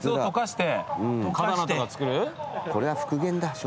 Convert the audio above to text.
これは復元だ。